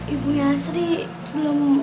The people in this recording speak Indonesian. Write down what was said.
ibunya asri belum